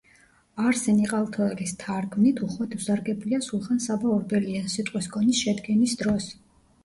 არსენ იყალთოელის თარგმნით უხვად უსარგებლია სულხან-საბა ორბელიანს „სიტყვის კონის“ შედგენის დროს.